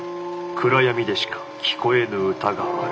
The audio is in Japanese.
暗闇でしか聴こえぬ歌がある。